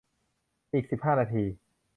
อีกสิบห้านาที